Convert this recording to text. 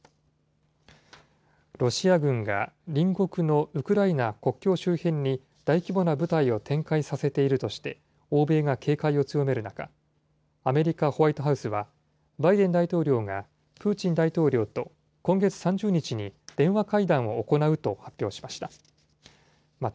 ロシア軍が隣国のウクライナ国境周辺に大規模な部隊を展開させているとして、欧米が警戒を強める中、アメリカ・ホワイトハウスは、バイデン大統領がプーチン大統領と今月３０日に電話会談を行うと発表しました。